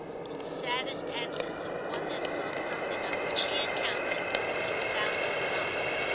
in saddest accents of one that sought something on which he had counted, and found it not.